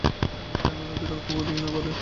জানোনা, বিড়াল কুকুরদের ঘৃণা করে।